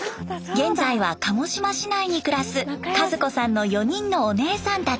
現在は鹿児島市内に暮らす和子さんの４人のお姉さんたち。